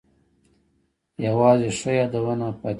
یوازې ښه یادونه پاتې کیږي